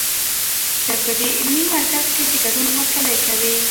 ته په دې علمي مرکز کې د ګډون هرکلی کوي.